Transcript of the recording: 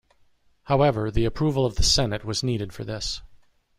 However, the approval of the senate was needed for this.